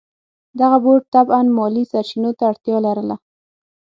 دغه بورډ طبعاً مالي سرچینو ته اړتیا لرله.